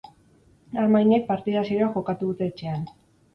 Armaginek partida serioa jokatu dute etxean.